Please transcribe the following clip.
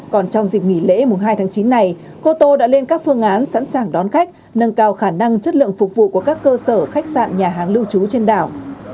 còn trong dịp nghỉ lễ mùng hai tháng chín này cô tô đã lên các phương án sẵn sàng đón khách nâng cao khả năng chất lượng phục vụ của các cơ sở khách sạn nhà hàng lưu trú trên đảo